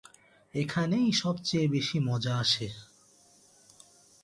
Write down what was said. এখানেই সবচেয়ে বেশি মজা আসে।